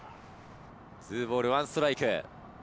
２ボール１ストライク。